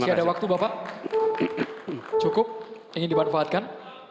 masih ada waktu bapak cukup ingin dibanfaatkan